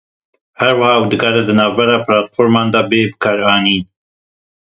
Her wiha ew dikare di navbera platforman de bê bikaranîn.